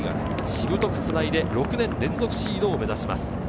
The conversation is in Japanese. しぶとくつないで、６年連続シードを目指します。